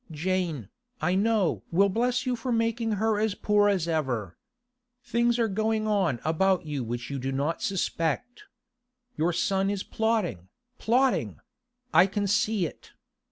Jane, I know, will bless you for making her as poor as ever. Things are going on about you which you do not suspect. Your son is plotting, plotting; I can see it.